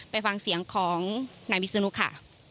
ไปฟังเสียงของนายวิศนุค่ะ